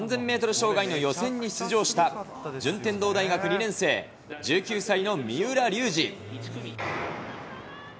障害の予選に出場した順天堂大学２年生、１９歳の三浦龍司。